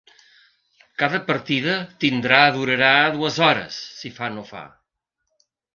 Cada partida tindrà durarà dues hores, si fa no fa.